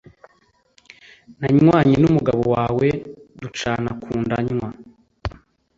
nanywanye n’umugabo wawe ducana kunda nywa